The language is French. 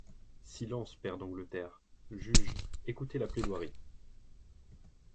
Silence, pairs d’Angleterre! juges, écoutez la plaidoirie.